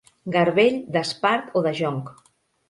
Garbell d'espart o de jonc.